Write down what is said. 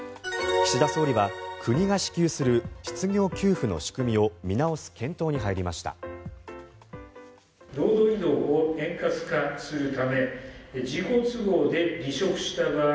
岸田総理は国が支給する失業給付の仕組みを見直す検討に入りました。